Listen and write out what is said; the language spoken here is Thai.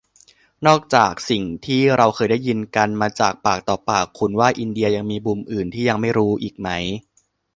นอกจากสิ่งที่เราเคยได้ยินกันมาจากปากต่อปาก คุณว่า อินเดีย ยังมีมุมอื่นที่ยังไม่รู้อีกไหม ?